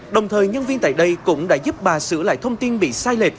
đồng thời nhân viên tại đây cũng đã giúp bà sửa lại thông tin bị sai lệch